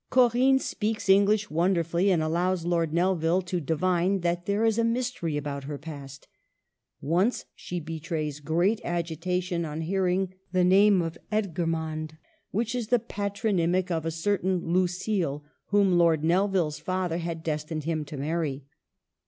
Corinne speaks English wonderfully, and allows Lord Nelvil to divine that there is a mystery about her past. Once she betrays great agitation on hearing the name of Edgermond, which is the patronymic of a certain Lucile, whom Lord Nelvil's father had destined him to marry.